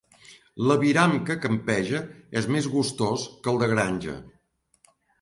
L'aviram que campeja és més gustós que el de granja.